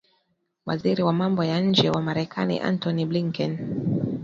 Waziri wa Mambo ya Nje wa Marekani Antony Blinken